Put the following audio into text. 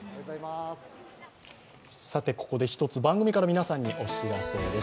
ここで１つ、番組から皆さんにお知らせです。